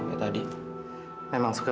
ada siapa susu